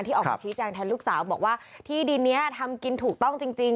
ออกมาชี้แจงแทนลูกสาวบอกว่าที่ดินนี้ทำกินถูกต้องจริง